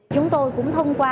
chúng tôi cũng thông qua